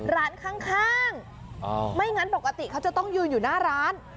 ร้านข้างไม่งั้นปกติเขาจะต้องยืนอยู่หน้าร้าน